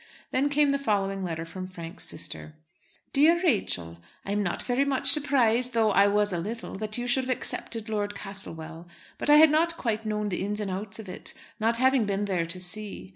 Then came the following letter from Frank's sister: DEAR RACHEL, I am not very much surprised, though I was a little, that you should have accepted Lord Castlewell; but I had not quite known the ins and outs of it, not having been there to see.